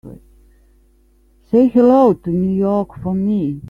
Say hello to New York for me.